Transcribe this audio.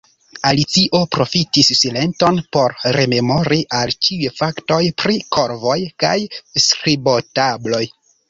Alicio profitis silenton por rememori al ĉiuj faktoj pri korvoj kaj skribotabloj.